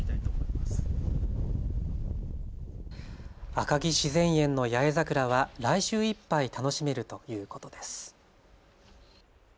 赤城自然園の八重桜は来週いっぱい楽しめるということです。